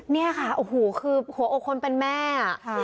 นี่ค่ะโอ้โหคือหัวอกคนเป็นแม่